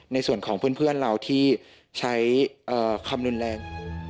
ในส่วนของเพื่อนเราที่ใช้คำรุนแรง